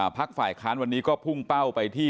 พักฝ่ายค้านวันนี้ก็พุ่งเป้าไปที่